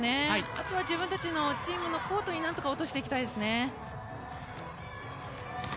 あとは自分たちのチームのコートに何とか落としていきたいですね。